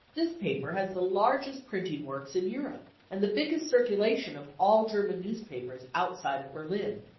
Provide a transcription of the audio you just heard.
This paper has the largest printing works in Europe and the biggest circulation of all German news papers outside of Berlin.